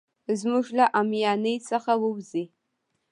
زموږ له اميانۍ څخه ووزي.